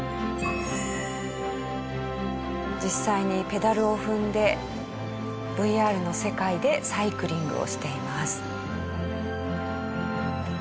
実際にペダルを踏んでＶＲの世界でサイクリングをしています。